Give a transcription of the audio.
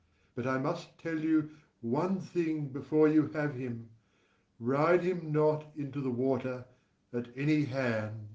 But I must tell you one thing before you have him; ride him not into the water, at any hand.